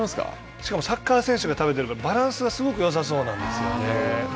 しかも、サッカー選手が食べてるから、バランスがすごくよさそうなんですよね。